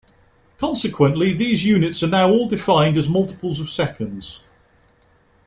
Consequently, these units are now all defined as multiples of seconds.